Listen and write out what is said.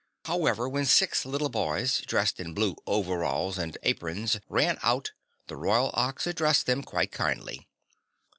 However, when six little boys dressed in blue overalls and aprons ran out, the Royal Ox addressed them quite kindly.